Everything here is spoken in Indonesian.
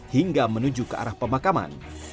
hingga menuju ke arah pemakaman